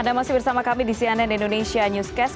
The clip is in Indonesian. anda masih bersama kami di cnn indonesia newscast